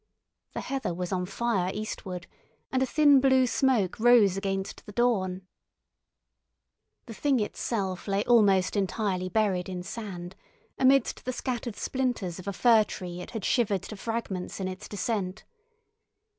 The heather was on fire eastward, and a thin blue smoke rose against the dawn. The Thing itself lay almost entirely buried in sand, amidst the scattered splinters of a fir tree it had shivered to fragments in its descent.